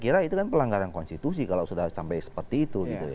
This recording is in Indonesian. kita saya kira itu kan pelanggaran konstitusi kalau sudah sampai seperti itu